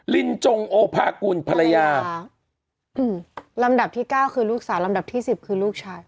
ลินจงโอภากุลภรรยาอืมลำดับที่เก้าคือลูกสาวลำดับที่สิบคือลูกชาย